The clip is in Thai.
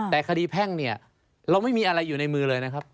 แต่คดีแพ่งเนี่ยเราไม่มีอะไรอยู่ในมือเลยนะครับ